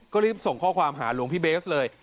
ก็รีบส่งข้อความหาหลวงพี่เบสเลย